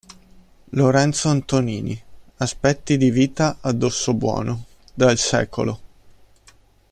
Lorenzo Antonini, "Aspetti di vita a Dossobuono dal sec.